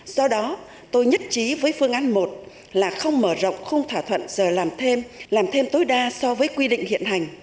do đó tôi nhất trí với phương án một là không mở rộng khung thỏa thuận giờ làm thêm làm thêm tối đa so với quy định hiện hành